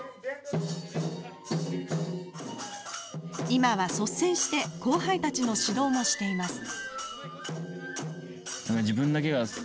今は率先して後輩たちの指導もしています。